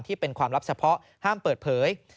ที่เป็นความลับเฉพาะห้ามเปิดเผย